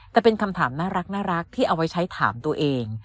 แต่เป็นคำถามน่ารักที่เอาไว้ใช้ถามตัวเอง